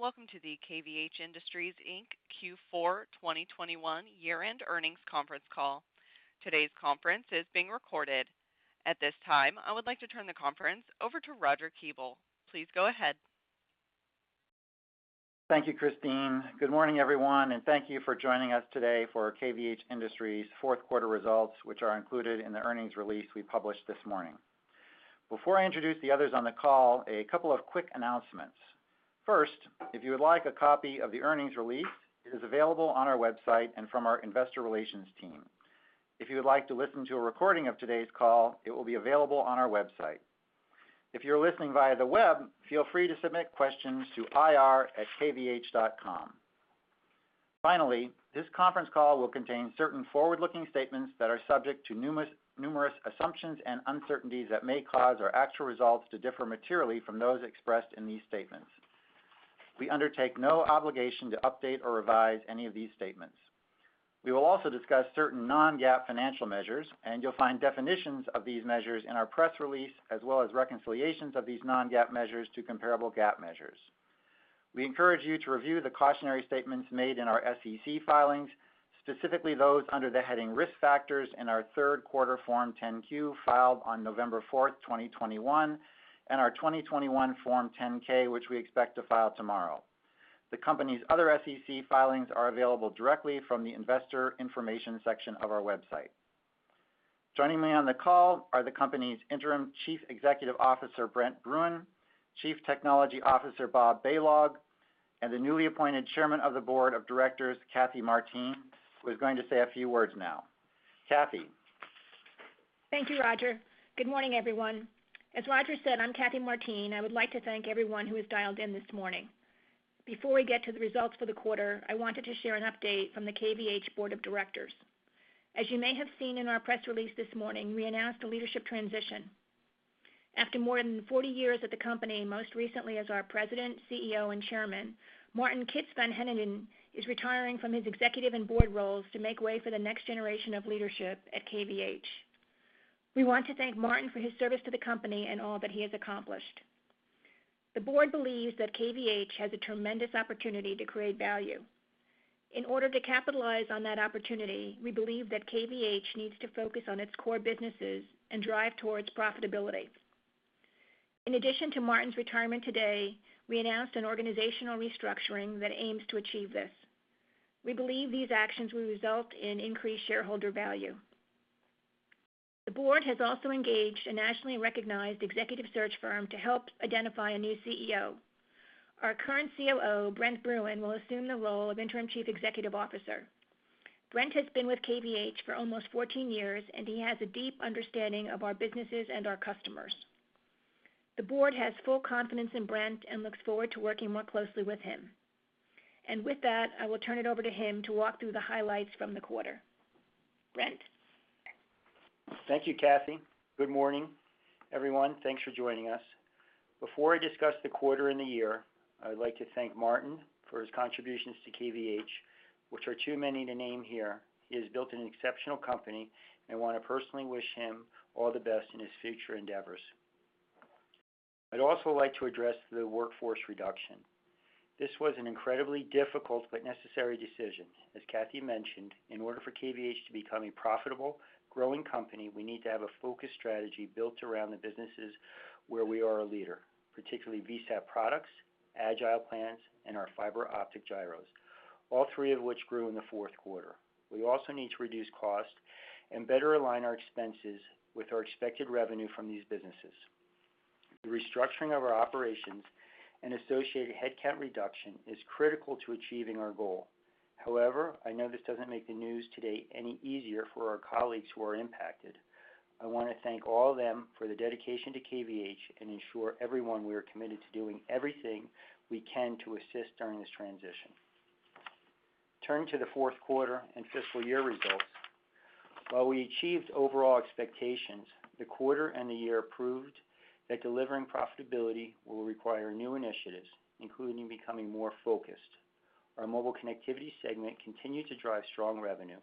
Welcome to the KVH Industries, Inc. Q4 2021 year-end earnings conference call. Today's conference is being recorded. At this time, I would like to turn the conference over to Roger Kuebel. Please go ahead. Thank you, Christine. Good morning, everyone, and thank you for joining us today for KVH Industries fourth quarter results, which are included in the earnings release we published this morning. Before I introduce the others on the call, a couple of quick announcements. First, if you would like a copy of the earnings release, it is available on our website and from our investor relations team. If you would like to listen to a recording of today's call, it will be available on our website. If you're listening via the web, feel free to submit questions to ir@kvh.com. Finally, this conference call will contain certain forward-looking statements that are subject to numerous assumptions and uncertainties that may cause our actual results to differ materially from those expressed in these statements. We undertake no obligation to update or revise any of these statements. We will also discuss certain non-GAAP financial measures, and you'll find definitions of these measures in our press release, as well as reconciliations of these non-GAAP measures to comparable GAAP measures. We encourage you to review the cautionary statements made in our SEC filings, specifically those under the heading Risk Factors in our third quarter Form 10-Q filed on November 4, 2021, and our 2021 Form 10-K, which we expect to file tomorrow. The company's other SEC filings are available directly from the investor information section of our website. Joining me on the call are the company's Interim Chief Executive Officer, Brent Bruun, Chief Technology Officer, Bob Balog, and the newly appointed Chairman of the Board of Directors, Cathy-Ann Martine-Dolecki, who is going to say a few words now. Cathy. Thank you, Roger. Good morning, everyone. As Roger said, I'm Cathy-Ann Martine-Dolecki. I would like to thank everyone who has dialed in this morning. Before we get to the results for the quarter, I wanted to share an update from the KVH board of directors. As you may have seen in our press release this morning, we announced a leadership transition. After more than 40 years at the company, most recently as our President, CEO, and Chairman, Martin Kits van Heyningen is retiring from his executive and board roles to make way for the next generation of leadership at KVH. We want to thank Martin for his service to the company and all that he has accomplished. The board believes that KVH has a tremendous opportunity to create value. In order to capitalize on that opportunity, we believe that KVH needs to focus on its core businesses and drive towards profitability. In addition to Martin's retirement today, we announced an organizational restructuring that aims to achieve this. We believe these actions will result in increased shareholder value. The board has also engaged a nationally recognized executive search firm to help identify a new CEO. Our current COO, Brent Bruun, will assume the role of Interim Chief Executive Officer. Brent has been with KVH for almost 14 years, and he has a deep understanding of our businesses and our customers. The board has full confidence in Brent and looks forward to working more closely with him. With that, I will turn it over to him to walk through the highlights from the quarter. Brent. Thank you, Cathy. Good morning, everyone. Thanks for joining us. Before I discuss the quarter and the year, I would like to thank Martin for his contributions to KVH, which are too many to name here. He has built an exceptional company, and I wanna personally wish him all the best in his future endeavors. I'd also like to address the workforce reduction. This was an incredibly difficult but necessary decision. As Cathy mentioned, in order for KVH to become a profitable, growing company, we need to have a focused strategy built around the businesses where we are a leader, particularly VSAT products, AgilePlans, and our fiber optic gyros, all three of which grew in the fourth quarter. We also need to reduce cost and better align our expenses with our expected revenue from these businesses. The restructuring of our operations and associated headcount reduction is critical to achieving our goal. However, I know this doesn't make the news today any easier for our colleagues who are impacted. I wanna thank all of them for the dedication to KVH and ensure everyone we are committed to doing everything we can to assist during this transition. Turning to the fourth quarter and fiscal year results. While we achieved overall expectations, the quarter and the year proved that delivering profitability will require new initiatives, including becoming more focused. Our mobile connectivity segment continued to drive strong revenue.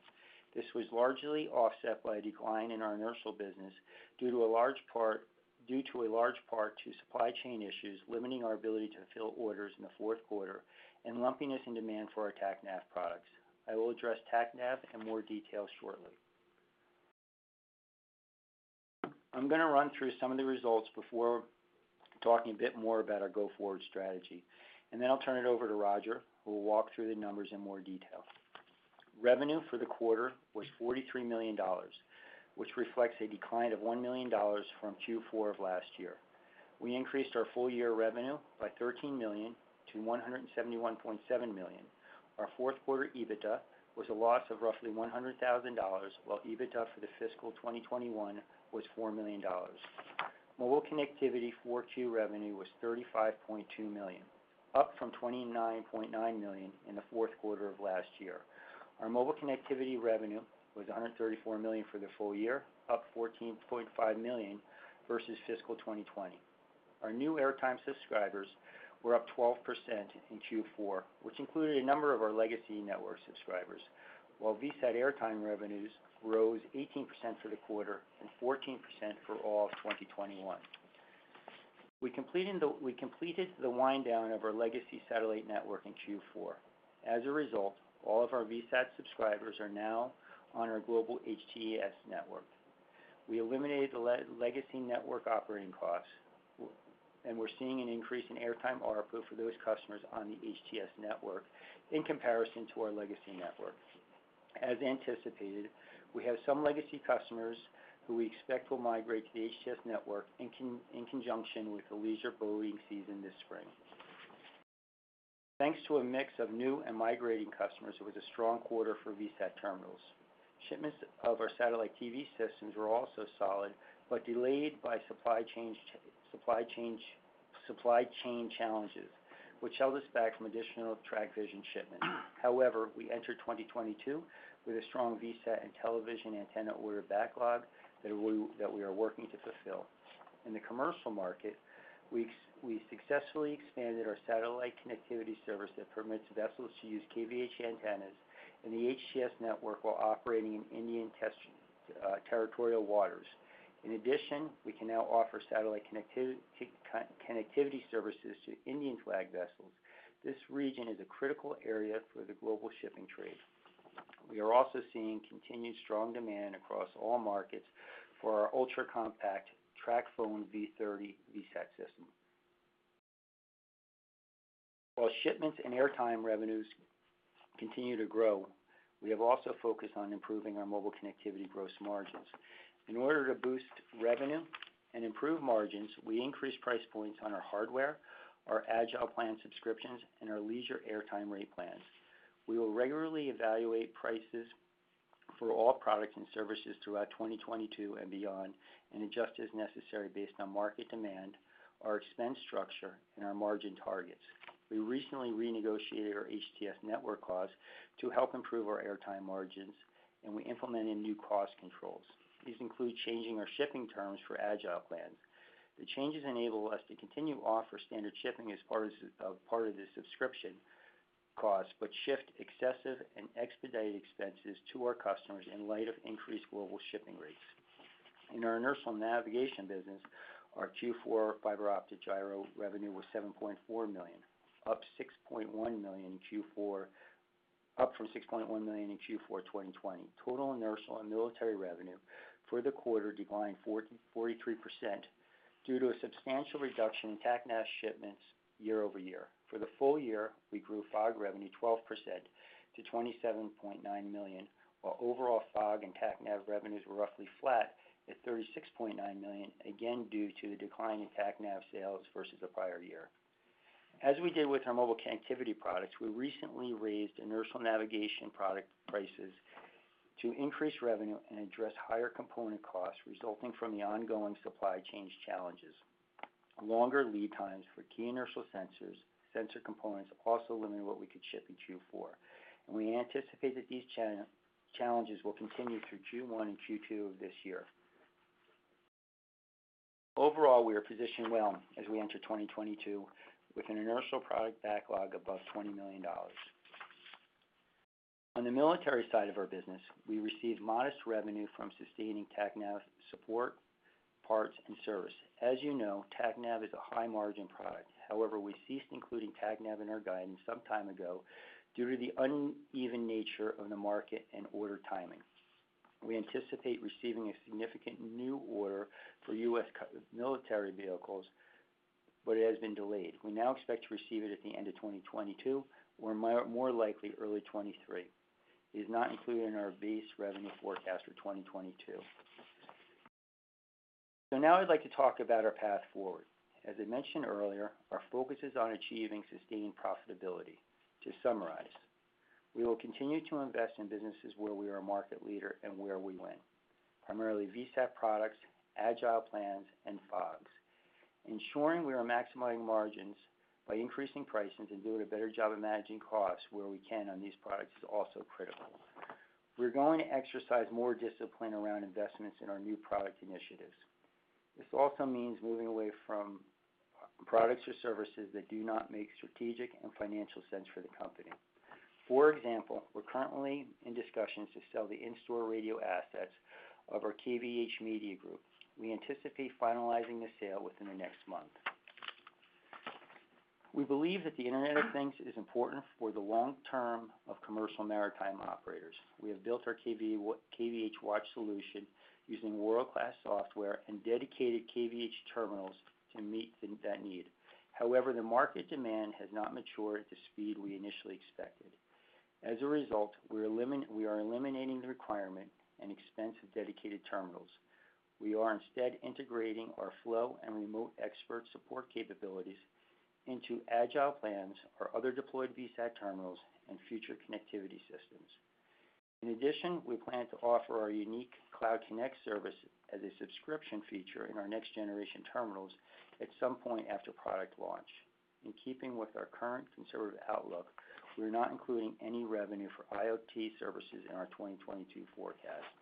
This was largely offset by a decline in our inertial business, due to a large part to supply chain issues limiting our ability to fill orders in the fourth quarter and lumpiness in demand for our TACNAV products. I will address TACNAV in more detail shortly. I'm gonna run through some of the results before talking a bit more about our go-forward strategy, and then I'll turn it over to Roger, who will walk through the numbers in more detail. Revenue for the quarter was $43 million, which reflects a decline of $1 million from Q4 of last year. We increased our full year revenue by $13 million to $171.7 million. Our fourth quarter EBITDA was a loss of roughly $100,000, while EBITDA for the fiscal 2021 was $4 million. Mobile connectivity Q4 revenue was $35.2 million, up from $29.9 million in the fourth quarter of last year. Our mobile connectivity revenue was $134 million for the full year, up $14.5 million versus fiscal 2020. Our new airtime subscribers were up 12% in Q4, which included a number of our legacy network subscribers. While VSAT airtime revenues rose 18% for the quarter and 14% for all of 2021. We completed the wind down of our legacy satellite network in Q4. As a result, all of our VSAT subscribers are now on our global HTS network. We eliminated the legacy network operating costs, and we're seeing an increase in airtime ARPU for those customers on the HTS network in comparison to our legacy network. As anticipated, we have some legacy customers who we expect will migrate to the HTS network in conjunction with the leisure boating season this spring. Thanks to a mix of new and migrating customers, it was a strong quarter for VSAT terminals. Shipments of our satellite TV systems were also solid, but delayed by supply chain challenges, which held us back from additional TracVision shipments. However, we entered 2022 with a strong VSAT and television antenna order backlog that we are working to fulfill. In the commercial market, we successfully expanded our satellite connectivity service that permits vessels to use KVH antennas in the HTS network while operating in Indian territorial waters. In addition, we can now offer satellite connectivity services to Indian flagged vessels. This region is a critical area for the global shipping trade. We are also seeing continued strong demand across all markets for our ultra compact TracPhone V30 VSAT system. While shipments and airtime revenues continue to grow, we have also focused on improving our mobile connectivity gross margins. In order to boost revenue and improve margins, we increased price points on our hardware, our AgilePlans subscriptions, and our leisure airtime rate plans. We will regularly evaluate prices for all products and services throughout 2022 and beyond, and adjust as necessary based on market demand, our expense structure, and our margin targets. We recently renegotiated our HTS network costs to help improve our airtime margins, and we implemented new cost controls. These include changing our shipping terms for AgilePlans. The changes enable us to continue to offer standard shipping as far as part of the subscription cost, but shift excessive and expedited expenses to our customers in light of increased global shipping rates. In our inertial navigation business, our Q4 fiber optic gyro revenue was $7.4 million, up from $6.1 million in Q4 2020. Total inertial and military revenue for the quarter declined 43% due to a substantial reduction in TACNAV shipments year-over-year. For the full year, we grew FOG revenue 12% to $27.9 million, while overall FOG and TACNAV revenues were roughly flat at $36.9 million, again, due to the decline in TACNAV sales versus the prior year. As we did with our mobile connectivity products, we recently raised inertial navigation product prices to increase revenue and address higher component costs resulting from the ongoing supply chain challenges. Longer lead times for key inertial sensors, sensor components also limited what we could ship in Q4, and we anticipate that these challenges will continue through Q1 and Q2 of this year. Overall, we are positioned well as we enter 2022 with an inertial product backlog above $20 million. On the military side of our business, we received modest revenue from sustaining TACNAV support, parts, and service. As you know, TACNAV is a high margin product. However, we ceased including TACNAV in our guidance some time ago due to the uneven nature of the market and order timing. We anticipate receiving a significant new order for U.S. military vehicles, but it has been delayed. We now expect to receive it at the end of 2022, or more likely, early 2023. It is not included in our base revenue forecast for 2022. Now I'd like to talk about our path forward. As I mentioned earlier, our focus is on achieving sustained profitability. To summarize, we will continue to invest in businesses where we are a market leader and where we win. Primarily VSAT products, Agile Plans, and FOGs. Ensuring we are maximizing margins by increasing pricing and doing a better job of managing costs where we can on these products is also critical. We're going to exercise more discipline around investments in our new product initiatives. This also means moving away from products or services that do not make strategic and financial sense for the company. For example, we're currently in discussions to sell the in-store radio assets of our KVH Media Group. We anticipate finalizing the sale within the next month. We believe that the Internet of Things is important for the long term of commercial maritime operators. We have built our KVH Watch solution using world-class software and dedicated KVH terminals to meet that need. However, the market demand has not matured at the speed we initially expected. As a result, we are eliminating the requirement and expense of dedicated terminals. We are instead integrating our Flow and remote expert support capabilities into AgilePlans, our other deployed VSAT terminals, and future connectivity systems. In addition, we plan to offer our unique Cloud Connect service as a subscription feature in our next generation terminals at some point after product launch. In keeping with our current conservative outlook, we are not including any revenue for IoT services in our 2022 forecast.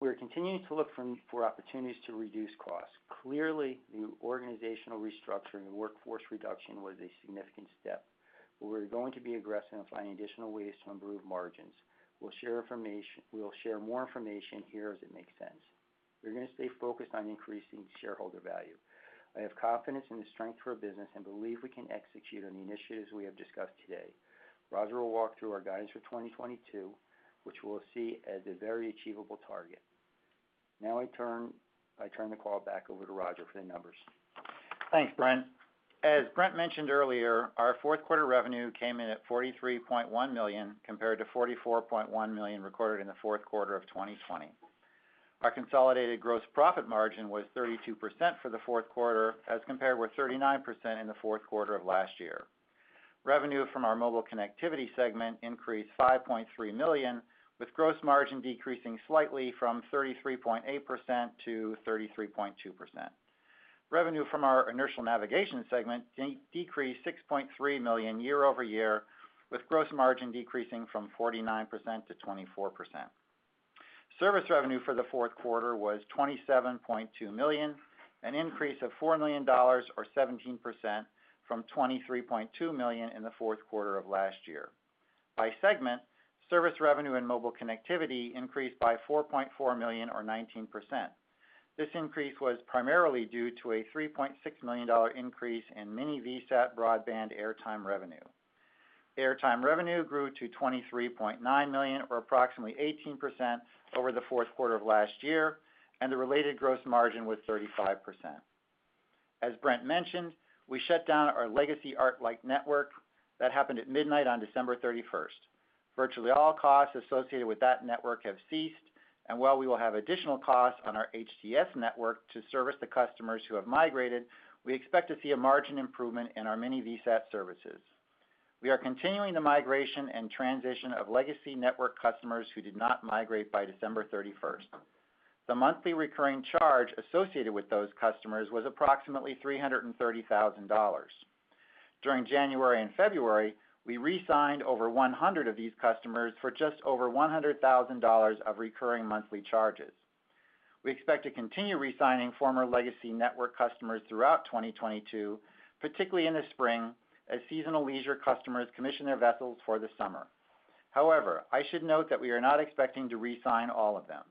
We are continuing to look for opportunities to reduce costs. Clearly, the organizational restructuring and workforce reduction was a significant step. We're going to be aggressive in finding additional ways to improve margins. We'll share information. We will share more information here as it makes sense. We're gonna stay focused on increasing shareholder value. I have confidence in the strength of our business, and believe we can execute on the initiatives we have discussed today. Roger will walk through our guidance for 2022, which we'll see as a very achievable target. Now I turn the call back over to Roger for the numbers. Thanks, Brent. As Brent mentioned earlier, our fourth quarter revenue came in at $43.1 million, compared to $44.1 million recorded in the fourth quarter of 2020. Our consolidated gross profit margin was 32% for the fourth quarter, as compared with 39% in the fourth quarter of last year. Revenue from our mobile connectivity segment increased $5.3 million, with gross margin decreasing slightly from 33.8% to 33.2%. Revenue from our inertial navigation segment decreased $6.3 million year-over-year, with gross margin decreasing from 49% to 24%. Service revenue for the fourth quarter was $27.2 million, an increase of $4 million or 17% from $23.2 million in the fourth quarter of last year. By segment, service revenue in mobile connectivity increased by $4.4 million or 19%. This increase was primarily due to a $3.6 million increase in mini-VSAT Broadband airtime revenue. Airtime revenue grew to $23.9 million or approximately 18% over the fourth quarter of last year, and the related gross margin was 35%. As Brent mentioned, we shut down our legacy ArcLight network. That happened at midnight on December 31st. Virtually all costs associated with that network have ceased, and while we will have additional costs on our HTS network to service the customers who have migrated, we expect to see a margin improvement in our mini-VSAT Broadband services. We are continuing the migration and transition of legacy network customers who did not migrate by December 31st. The monthly recurring charge associated with those customers was approximately $330,000. During January and February, we re-signed over 100 of these customers for just over $100,000 of recurring monthly charges. We expect to continue re-signing former legacy network customers throughout 2022, particularly in the spring as seasonal leisure customers commission their vessels for the summer. However, I should note that we are not expecting to re-sign all of them.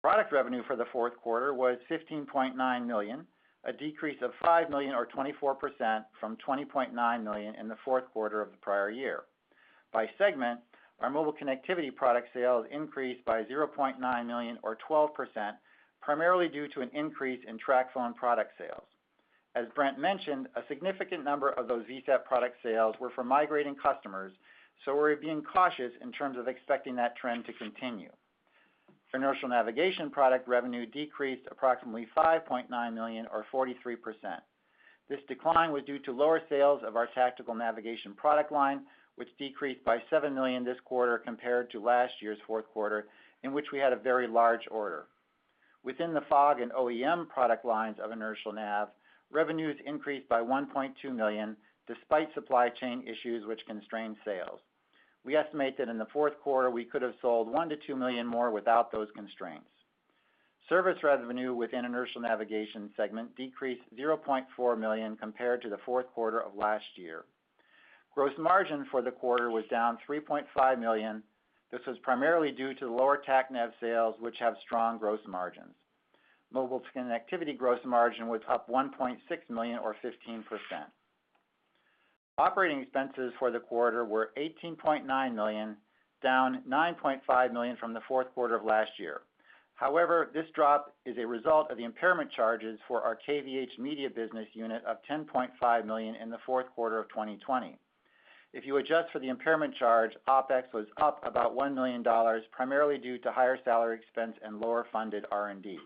Product revenue for the fourth quarter was $15.9 million, a decrease of $5 million or 24% from $20.9 million in the fourth quarter of the prior year. By segment, our mobile connectivity product sales increased by $0.9 million or 12%, primarily due to an increase in TracPhone product sales. As Brent mentioned, a significant number of those VSAT product sales were from migrating customers, so we're being cautious in terms of expecting that trend to continue. For inertial navigation product revenue decreased approximately $5.9 million or 43%. This decline was due to lower sales of our tactical navigation product line, which decreased by $7 million this quarter compared to last year's fourth quarter, in which we had a very large order. Within the FOG and OEM product lines of inertial nav, revenues increased by $1.2 million, despite supply chain issues which constrained sales. We estimate that in the fourth quarter, we could have sold $1 million-$2 million more without those constraints. Service revenue within inertial navigation segment decreased $0.4 million compared to the fourth quarter of last year. Gross margin for the quarter was down $3.5 million. This was primarily due to lower TACNAV sales, which have strong gross margins. Mobile connectivity gross margin was up $1.6 million or 15%. Operating expenses for the quarter were $18.9 million, down $9.5 million from the fourth quarter of last year. However, this drop is a result of the impairment charges for our KVH Media business unit of $10.5 million in the fourth quarter of 2020. If you adjust for the impairment charge, OpEx was up about $1 million, primarily due to higher salary expense and lower funded R&D.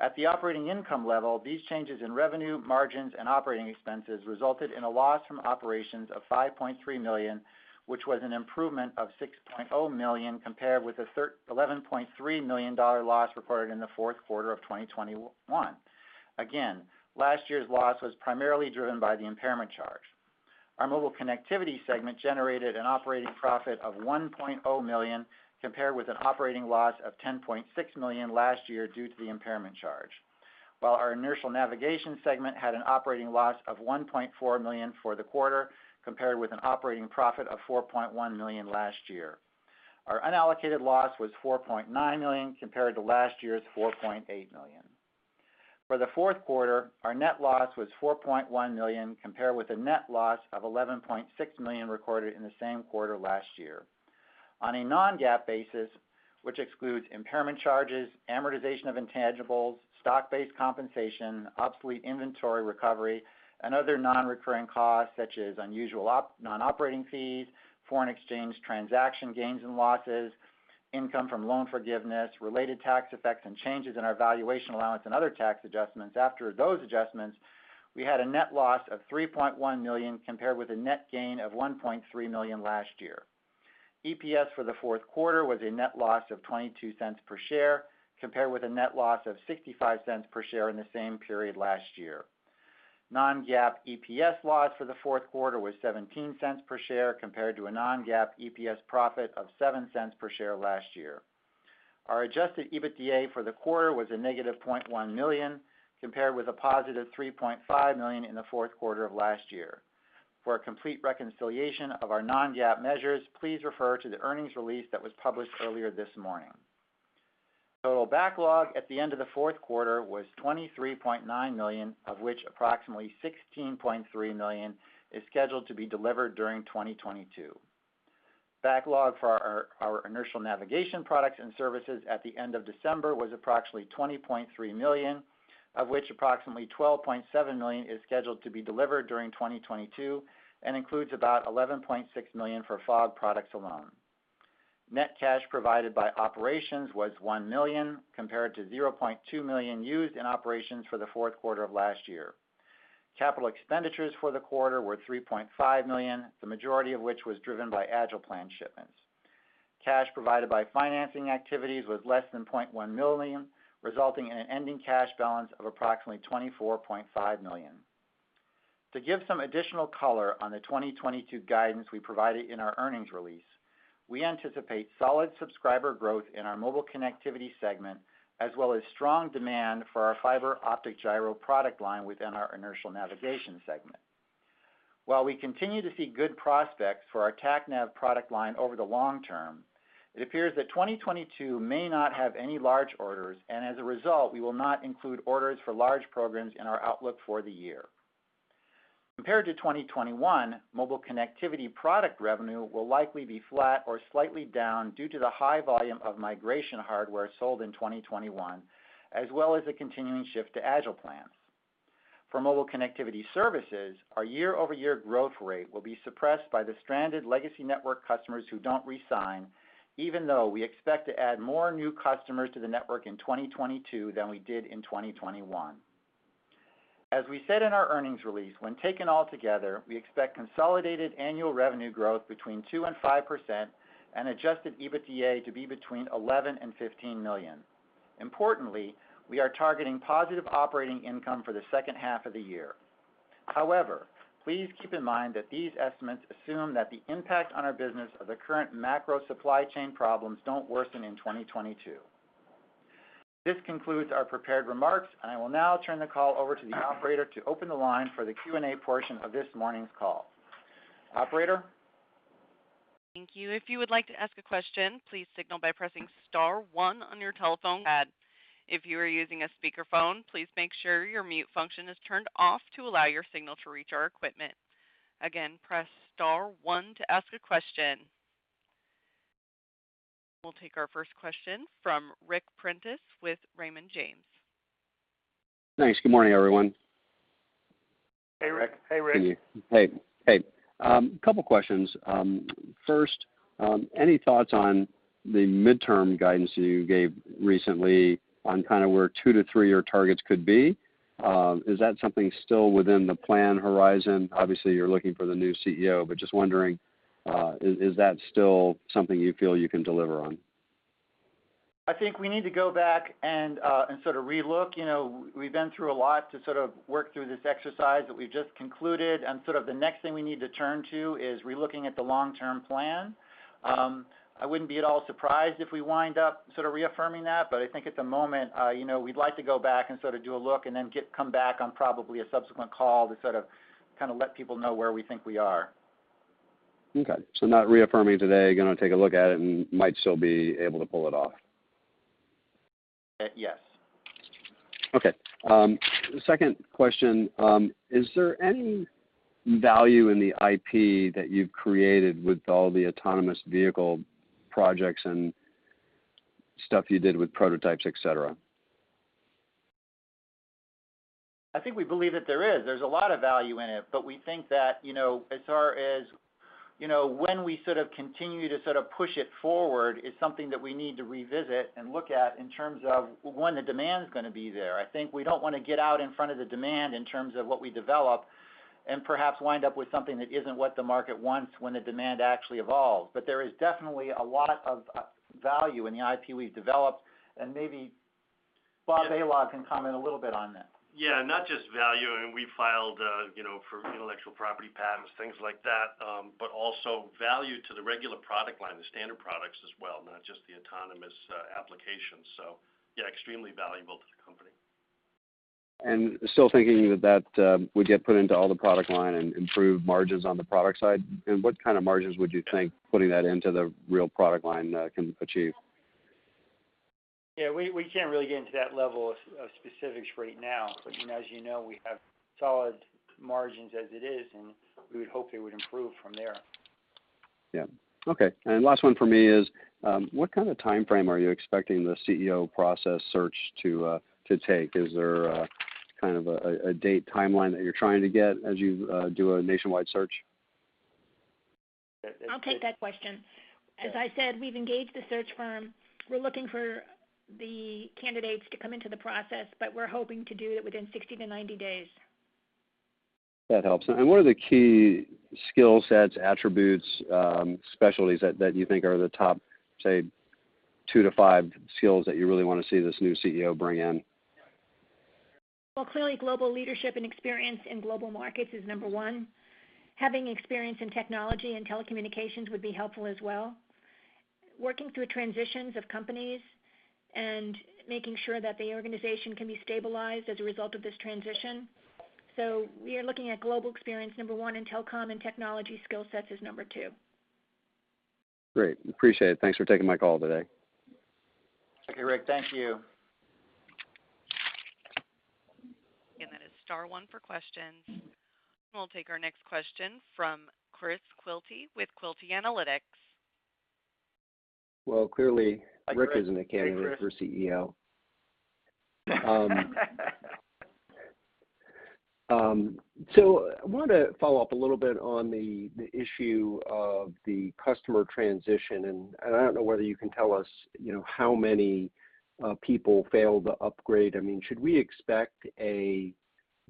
At the operating income level, these changes in revenue, margins, and operating expenses resulted in a loss from operations of $5.3 million, which was an improvement of $6.0 million compared with the $11.3 million loss recorded in the fourth quarter of 2021. Again, last year's loss was primarily driven by the impairment charge. Our Mobile Connectivity segment generated an operating profit of $1.0 million compared with an operating loss of $10.6 million last year due to the impairment charge. While our Inertial Navigation segment had an operating loss of $1.4 million for the quarter compared with an operating profit of $4.1 million last year. Our unallocated loss was $4.9 million compared to last year's $4.8 million. For the fourth quarter, our net loss was $4.1 million compared with a net loss of $11.6 million recorded in the same quarter last year. On a non-GAAP basis, which excludes impairment charges, amortization of intangibles, stock-based compensation, obsolete inventory recovery, and other non-recurring costs such as unusual non-operating fees, foreign exchange transaction gains and losses, income from loan forgiveness, related tax effects, and changes in our valuation allowance and other tax adjustments. After those adjustments, we had a net loss of $3.1 million, compared with a net gain of $1.3 million last year. EPS for the fourth quarter was a net loss of $0.22 per share, compared with a net loss of $0.65 per share in the same period last year. Non-GAAP EPS loss for the fourth quarter was $0.17 per share, compared to a non-GAAP EPS profit of $0.07 per share last year. Our adjusted EBITDA for the quarter was -$0.1 million, compared with +$3.5 million in the fourth quarter of last year. For a complete reconciliation of our non-GAAP measures, please refer to the earnings release that was published earlier this morning. Total backlog at the end of the fourth quarter was $23.9 million, of which approximately $16.3 million is scheduled to be delivered during 2022. Backlog for our inertial navigation products and services at the end of December was approximately $20.3 million, of which approximately $12.7 million is scheduled to be delivered during 2022 and includes about $11.6 million for FOG products alone. Net cash provided by operations was $1 million, compared to $0.2 million used in operations for the fourth quarter of last year. Capital expenditures for the quarter were $3.5 million, the majority of which was driven by AgilePlans shipments. Cash provided by financing activities was less than $0.1 million, resulting in an ending cash balance of approximately $24.5 million. To give some additional color on the 2022 guidance we provided in our earnings release, we anticipate solid subscriber growth in our mobile connectivity segment, as well as strong demand for our fiber optic gyro product line within our inertial navigation segment. While we continue to see good prospects for our TACNAV product line over the long term, it appears that 2022 may not have any large orders, and as a result, we will not include orders for large programs in our outlook for the year. Compared to 2021, mobile connectivity product revenue will likely be flat or slightly down due to the high volume of migration hardware sold in 2021, as well as a continuing shift to AgilePlans. For mobile connectivity services, our year-over-year growth rate will be suppressed by the stranded legacy network customers who don't re-sign, even though we expect to add more new customers to the network in 2022 than we did in 2021. As we said in our earnings release, when taken all together, we expect consolidated annual revenue growth between 2% and 5% and adjusted EBITDA to be between $11 million and $15 million. Importantly, we are targeting positive operating income for the second half of the year. However, please keep in mind that these estimates assume that the impact on our business of the current macro supply chain problems don't worsen in 2022. This concludes our prepared remarks, and I will now turn the call over to the operator to open the line for the Q&A portion of this morning's call. Operator? Thank you. If you would like to ask a question, please signal by pressing star one on your telephone pad. If you are using a speakerphone, please make sure your mute function is turned off to allow your signal to reach our equipment. Again, press star one to ask a question. We'll take our first question from Ric Prentiss with Raymond James. Thanks. Good morning, everyone. Hey, Ric. Hey, Ric. Hey, a couple questions. First, any thoughts on the midterm guidance you gave recently on kind of where two to three-year targets could be? Is that something still within the plan horizon? Obviously, you're looking for the new CEO, but just wondering, is that still something you feel you can deliver on? I think we need to go back and sort of re-look. You know, we've been through a lot to sort of work through this exercise that we just concluded, and sort of the next thing we need to turn to is re-looking at the long-term plan. I wouldn't be at all surprised if we wind up sort of reaffirming that. I think at the moment, you know, we'd like to go back and sort of do a look and then come back on probably a subsequent call to sort of, kind of let people know where we think we are. Okay, not reaffirming today. You're gonna take a look at it and might still be able to pull it off. Yes. Okay. Second question. Is there any value in the IP that you've created with all the autonomous vehicle projects and stuff you did with prototypes, et cetera? I think we believe that there is. There's a lot of value in it, but we think that, you know, as far as, you know, when we sort of continue to sort of push it forward is something that we need to revisit and look at in terms of when the demand is gonna be there. I think we don't wanna get out in front of the demand in terms of what we develop and perhaps wind up with something that isn't what the market wants when the demand actually evolves. But there is definitely a lot of value in the IP we've developed, and maybe Bob Balog can comment a little bit on that. Yeah. Not just value, and we filed, you know, for intellectual property patents, things like that, but also value to the regular product line, the standard products as well, not just the autonomous application. Yeah, extremely valuable to the company. Still thinking that would get put into all the product line and improve margins on the product side? What kind of margins would you think putting that into the real product line can achieve? Yeah, we can't really get into that level of specifics right now. You know, as you know, we have solid margins as it is, and we would hope it would improve from there. Yeah. Okay. Last one for me is, what kind of timeframe are you expecting the CEO process search to take? Is there a kind of a date timeline that you're trying to get as you do a nationwide search? That's- I'll take that question. As I said, we've engaged the search firm. We're looking for the candidates to come into the process, but we're hoping to do it within 60-90 days. That helps. What are the key skill sets, attributes, specialties that you think are the top, say, two to five skills that you really wanna see this new CEO bring in? Well, clearly global leadership and experience in global markets is number one. Having experience in technology and telecommunications would be helpful as well, working through transitions of companies and making sure that the organization can be stabilized as a result of this transition. We are looking at global experience, number one, and telecom and technology skill sets is number two. Great. Appreciate it. Thanks for taking my call today. Okay, Ric, thank you. That is star one for questions. We'll take our next question from Chris Quilty with Quilty Analytics. Well, clearly. Hi, Chris. Hey, Chris. Ric isn't a candidate for CEO. I wanna follow up a little bit on the issue of the customer transition, and I don't know whether you can tell us, you know, how many people failed to upgrade. I mean, should we expect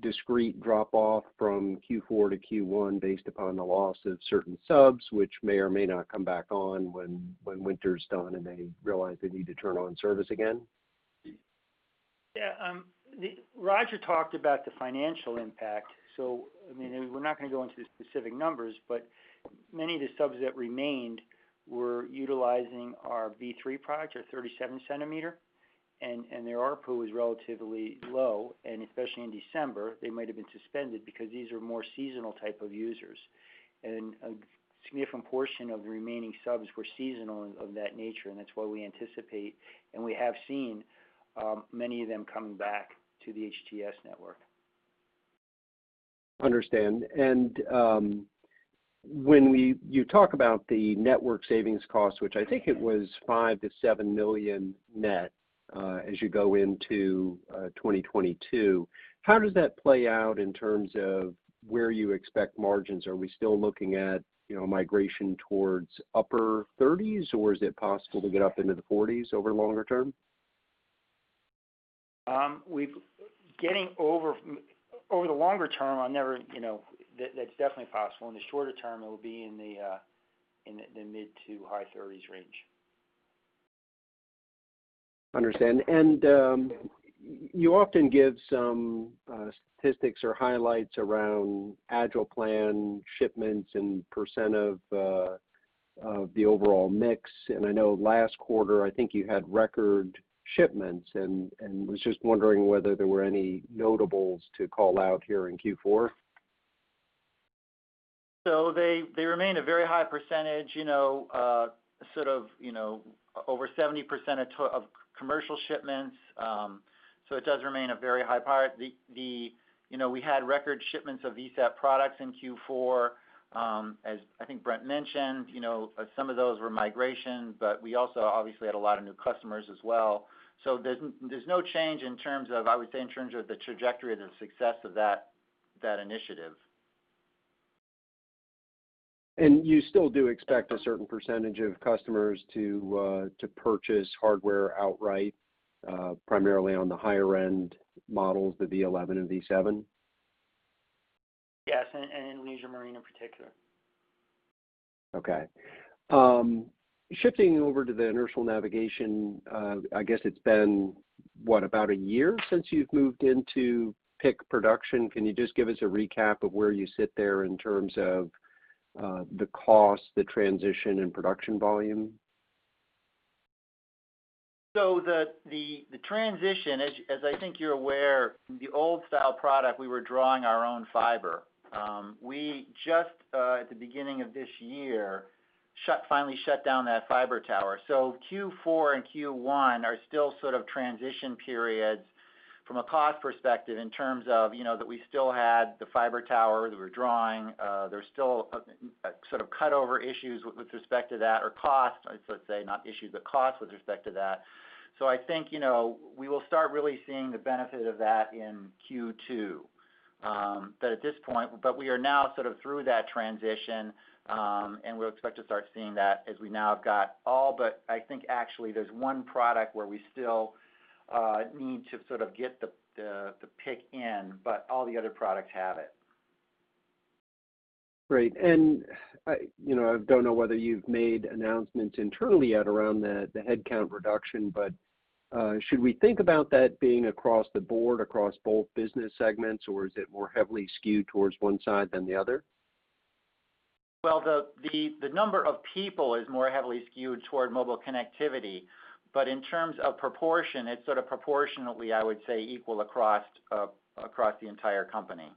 a discrete drop-off from Q4 to Q1 based upon the loss of certain subs, which may or may not come back on when winter's done and they realize they need to turn on service again? Yeah. Roger talked about the financial impact, so I mean, we're not gonna go into the specific numbers, but many of the subs that remained were utilizing our V3 product, our 37 cm, and their ARPU is relatively low. Especially in December, they might have been suspended because these are more seasonal type of users. A significant portion of the remaining subs were seasonal of that nature, and that's why we anticipate, and we have seen, many of them coming back to the HTS network. Understand. When you talk about the network savings cost, which I think it was $5 million-$7 million net, as you go into 2022, how does that play out in terms of where you expect margins? Are we still looking at, you know, migration towards upper 30s, or is it possible to get up into the 40s over longer term? Over the longer term, that's definitely possible. In the shorter term, it'll be in the mid- to high 30s range. Understand. You often give some statistics or highlights around AgilePlans shipments and percent of the overall mix. I know last quarter, I think you had record shipments and was just wondering whether there were any notables to call out here in Q4. They remain a very high percentage, you know, sort of, you know, over 70% of commercial shipments. It does remain a very high part. We had record shipments of VSAT products in Q4, as I think Brent mentioned. You know, some of those were migration, but we also obviously had a lot of new customers as well. There's no change in terms of, I would say, in terms of the trajectory of the success of that initiative. You still do expect a certain percentage of customers to purchase hardware outright, primarily on the higher-end models, the V11 and V7? Yes, Leisure Marine in particular. Okay. Shifting over to the inertial navigation, I guess it's been, what? About a year since you've moved into PIC production. Can you just give us a recap of where you sit there in terms of the cost, the transition, and production volume? The transition, as I think you're aware, the old style product, we were drawing our own fiber. We just at the beginning of this year finally shut down that fiber tower. Q4 and Q1 are still sort of transition periods from a cost perspective in terms of, you know, that we still had the fiber tower that we're drawing. There's still a sort of cut-over issues with respect to that or cost, let's say, not issues, but cost with respect to that. I think, you know, we will start really seeing the benefit of that in Q2. We are now sort of through that transition, and we expect to start seeing that as we now have got all but I think actually there's one product where we still need to sort of get the PIC in, but all the other products have it. Great. You know, I don't know whether you've made announcements internally yet around the headcount reduction, but should we think about that being across the board, across both business segments, or is it more heavily skewed towards one side than the other? Well, the number of people is more heavily skewed toward mobile connectivity. In terms of proportion, it's sort of proportionately, I would say, equal across the entire company.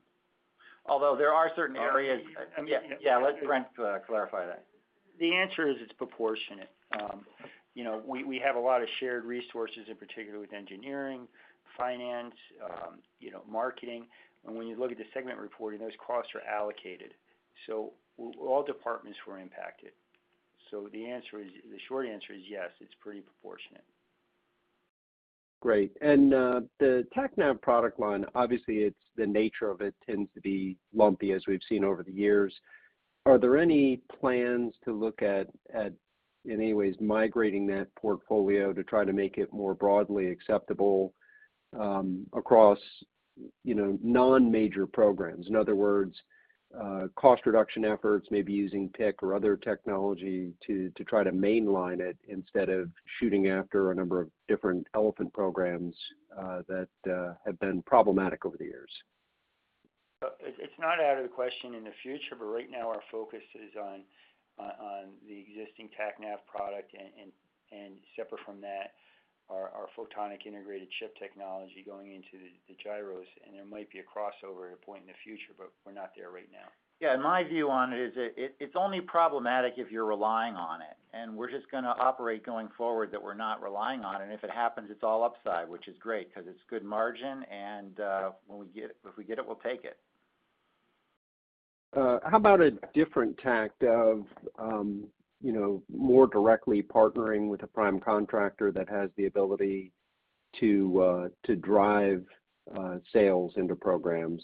Although there are certain areas. All right. Yeah. Let Brent clarify that. The answer is it's proportionate. You know, we have a lot of shared resources, in particular with engineering, finance, you know, marketing. When you look at the segment reporting, those costs are allocated. All departments were impacted. The short answer is yes, it's pretty proportionate. Great. The TACNAV product line, obviously it's the nature of it tends to be lumpy, as we've seen over the years. Are there any plans to look at in any ways migrating that portfolio to try to make it more broadly acceptable across you know non-major programs? In other words, cost reduction efforts may be using PIC or other technology to try to mainline it instead of shooting after a number of different elephant programs that have been problematic over the years. It's not out of the question in the future, but right now our focus is on the existing TACNAV product and separate from that, our photonic integrated chip technology going into the gyros. There might be a crossover at a point in the future, but we're not there right now. Yeah. My view on it is it's only problematic if you're relying on it. We're just gonna operate going forward that we're not relying on it. If it happens, it's all upside, which is great because it's good margin and if we get it, we'll take it. How about a different tack of, you know, more directly partnering with a prime contractor that has the ability to drive sales into programs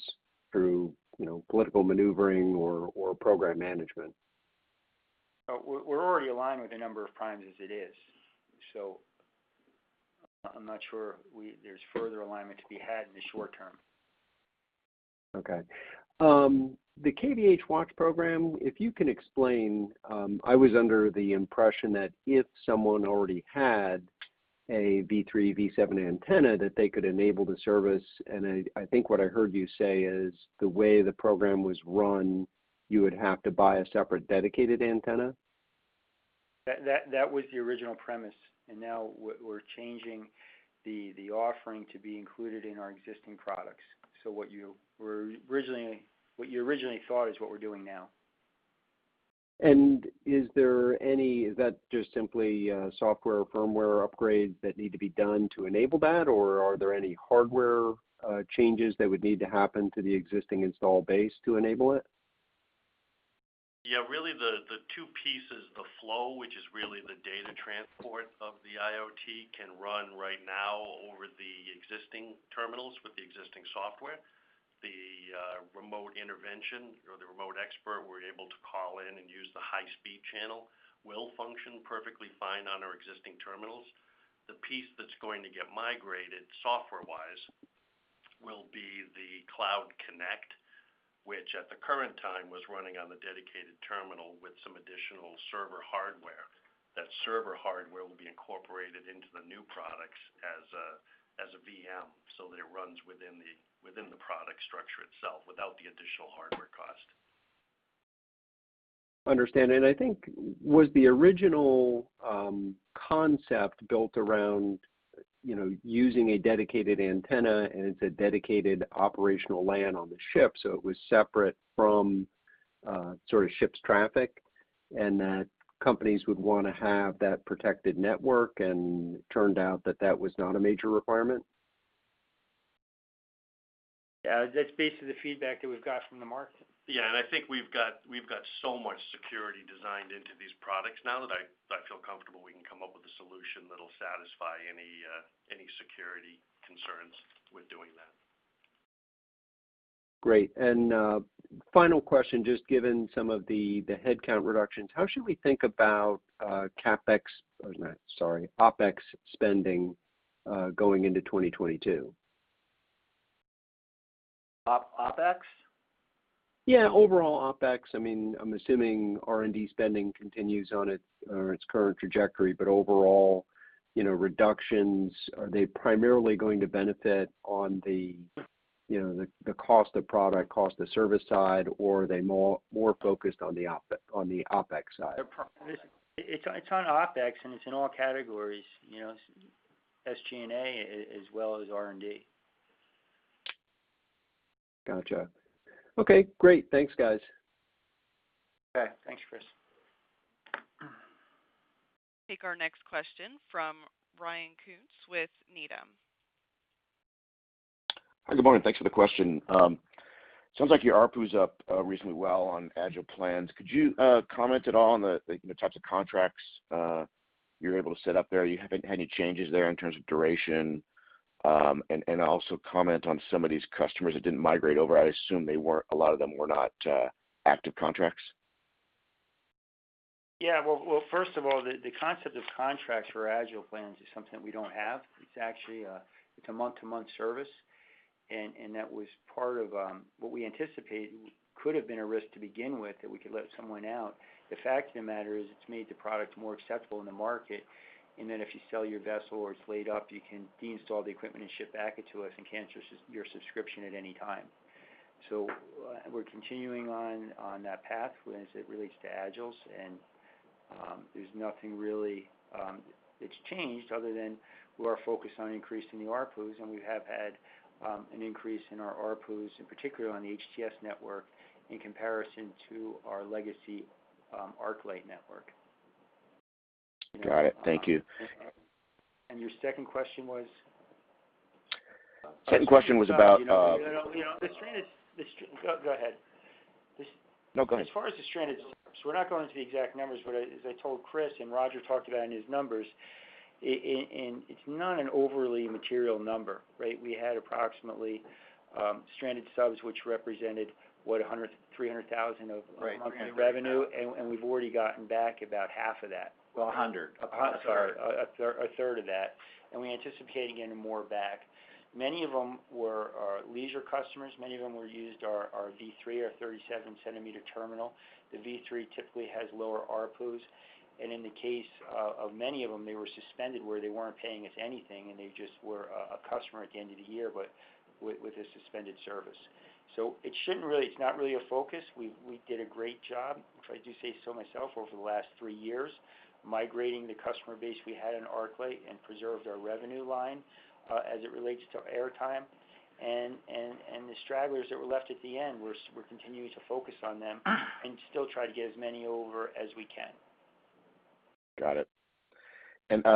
through, you know, political maneuvering or program management? We're already aligned with a number of primes as it is, so I'm not sure there's further alignment to be had in the short term. Okay. The KVH Watch program, if you can explain, I was under the impression that if someone already had a V3, V7 antenna, that they could enable the service. I think what I heard you say is, the way the program was run, you would have to buy a separate dedicated antenna. That was the original premise, and now we're changing the offering to be included in our existing products. What you originally thought is what we're doing now. Is that just simply software or firmware upgrades that need to be done to enable that, or are there any hardware changes that would need to happen to the existing install base to enable it? Yeah. Really the two pieces, the Flow, which is really the data transport of the IoT, can run right now over the existing terminals with the existing software. The remote intervention or the remote expert, we're able to call in and use the high speed channel, will function perfectly fine on our existing terminals. The piece that's going to get migrated software-wise will be the Cloud Connect, which at the current time was running on the dedicated terminal with some additional server hardware. That server hardware will be incorporated into the new products as a VM so that it runs within the product structure itself without the additional hardware cost. understand. I think it was the original concept built around, you know, using a dedicated antenna and it's a dedicated operational LAN on the ship, so it was separate from sort of ship's traffic, and that companies would wanna have that protected network, and it turned out that was not a major requirement? Yeah. That's basically the feedback that we've got from the market. Yeah. I think we've got so much security designed into these products now that I feel comfortable we can come up with a solution that'll satisfy any security concerns with doing that. Great. Final question, just given some of the headcount reductions, how should we think about OpEx spending going into 2022? OpEx? Yeah. Overall OpEx. I mean, I'm assuming R&D spending continues on its current trajectory, but overall, you know, reductions, are they primarily going to benefit on the, you know, the cost of product, cost of service side or are they more focused on the OpEx side? It's on OpEx, and it's in all categories. You know, it's SG&A as well as R&D. Gotcha. Okay, great. Thanks, guys. Okay. Thanks, Chris. Take our next question from Ryan Koontz with Needham. Hi. Good morning. Thanks for the question. Sounds like your ARPU's up reasonably well on AgilePlans. Could you comment at all on the you know types of contracts you're able to set up there? You have any changes there in terms of duration? Also comment on some of these customers that didn't migrate over. I assume a lot of them were not active contracts. Yeah. Well, first of all, the concept of contracts for AgilePlans is something that we don't have. It's actually a month-to-month service. That was part of what we anticipated could have been a risk to begin with, that we could let someone out. The fact of the matter is it's made the product more acceptable in the market, and then if you sell your vessel or it's laid up, you can de-install the equipment and ship it back to us and cancel your subscription at any time. We're continuing on that path as it relates to AgilePlans. There's nothing really that's changed other than we are focused on increasing the ARPUs, and we have had an increase in our ARPUs, in particular on the HTS network, in comparison to our legacy ArcLight network. Got it. Thank you. Your second question was? Second question was about. You know, the stranded. Go ahead. No, go ahead. As far as the stranded subs, we're not going into the exact numbers, but as I told Chris, and Roger talked about in his numbers, it's not an overly material number, right? We had approximately stranded subs, which represented what, 100, $300,000 of- Right. $300,000 monthly revenue, and we've already gotten back about half of that. Well, 100. A hun- Sorry. 1/3 of that. We anticipate getting more back. Many of them were our leisure customers. Many of them used our V3, our 37-centimeter terminal. The V3 typically has lower ARPUs. In the case of many of them, they were suspended, where they weren't paying us anything and they just were a customer at the end of the year, but with a suspended service. It shouldn't really. It's not really a focus. We did a great job, if I do say so myself, over the last three years, migrating the customer base we had on ArcLight and preserved our revenue line as it relates to airtime. The stragglers that were left at the end, we're continuing to focus on them and still try to get as many over as we can. Got it.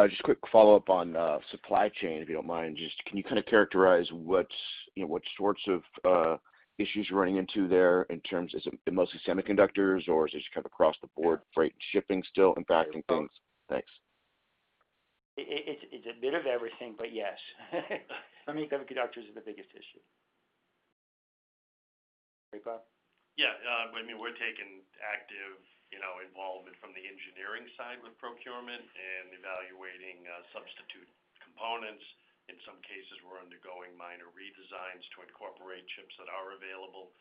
Just quick follow-up on supply chain, if you don't mind. Just can you kinda characterize what's, you know, what sorts of issues you're running into there in terms of is it mostly semiconductors, or is this kind of across the board, freight and shipping still impacting things? Thanks. It's a bit of everything, but yes. I mean, semiconductors are the biggest issue. Take that? Yeah. I mean, we're taking active, you know, involvement from the engineering side with procurement and evaluating substitute components. In some cases, we're undergoing minor redesigns to incorporate chips that are available.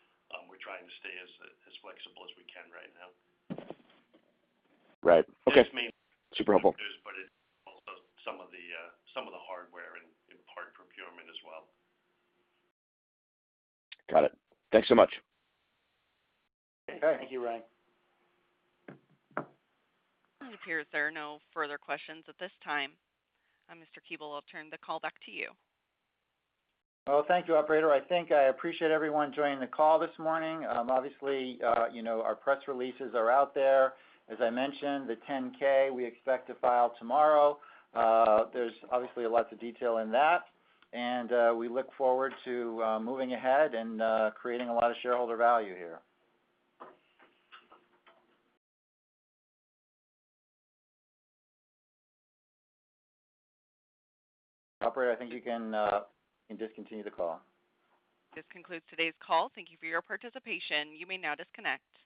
We're trying to stay as flexible as we can right now. Right. Okay. This means- Super helpful. ...but it's also some of the hardware and in part procurement as well. Got it. Thanks so much. Okay. Thank you, Ryan. It appears there are no further questions at this time. Mr. Kuebel, I'll turn the call back to you. Well, thank you, operator. I think I appreciate everyone joining the call this morning. Obviously, you know, our press releases are out there. As I mentioned, the 10-K, we expect to file tomorrow. There's obviously lots of detail in that, and we look forward to moving ahead and creating a lot of shareholder value here. Operator, I think you can discontinue the call. This concludes today's call. Thank you for your participation. You may now disconnect.